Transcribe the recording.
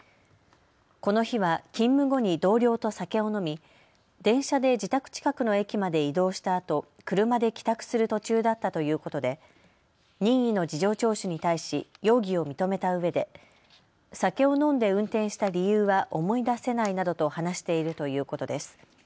この日は勤務後に同僚と酒を飲み、電車で自宅近くの駅まで移動したあと、車で帰宅する途中だったということで任意の事情聴取に対し容疑を認めたうえで酒を飲んで運転した理由は思い出せないなどと話しているということです。